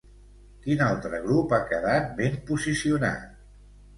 Quin altre grup ha quedat ben posicionat?